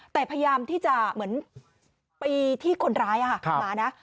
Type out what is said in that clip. แต่พยายามที่จะเหมือนไปที่คนร้ายมานะ